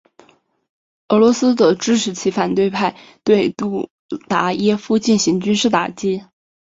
俄罗斯则支持其反对派对杜达耶夫进行军事打击。